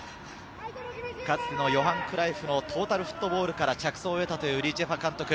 かつてのヨハン・クライフのトータルフットボールから着想を得たというリ・ジェファ監督。